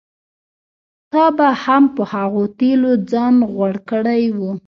تا به هم په هغو تېلو ځان غوړ کړی و.